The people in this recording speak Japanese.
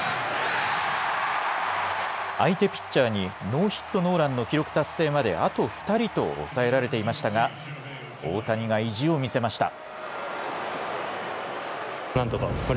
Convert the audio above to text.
相手ピッチャーに、ノーヒットノーランの記録達成まであと２人と抑えられていましたが、大谷が意地を見せました。